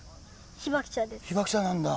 被爆者なんだ。